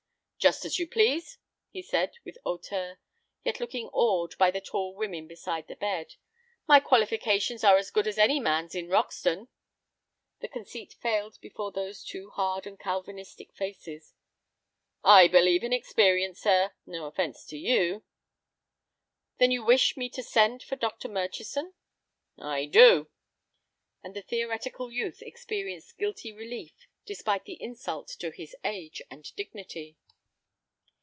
"Just as you please," he said, with hauteur, yet looking awed by the tall women beside the bed. "My qualifications are as good as any man's in Roxton." The conceit failed before those two hard and Calvinistic faces. "I believe in experience, sir; no offence to you." "Then you wish me to send for Dr. Murchison?" "I do." And the theoretical youth experienced guilty relief despite the insult to his age and dignity.